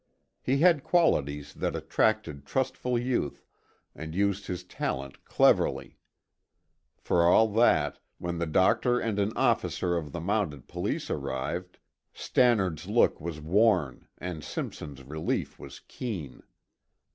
He had qualities that attracted trustful youth and used his talent cleverly. For all that, when the doctor and an officer of the mounted police arrived, Stannard's look was worn and Simpson's relief was keen.